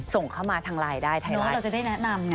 ส่งเขามาทำลายได้นี่เราจะได้แนะนำไงต่อ